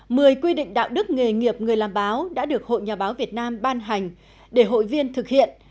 mười quy định đạo đức nghề nghiệp người làm báo đã được hội nhà báo việt nam ban hành để hội viên thực hiện